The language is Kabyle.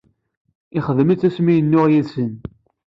Ixedm-it asmi yennuɣ yaid-sen.